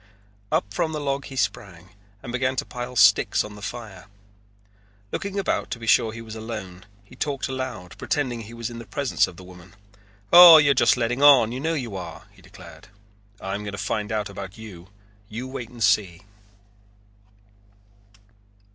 Up from the log he sprang and began to pile sticks on the fire. Looking about to be sure he was alone he talked aloud pretending he was in the presence of the woman, "Oh, you're just letting on, you know you are," he declared. "I am going to find out about you. You wait and see."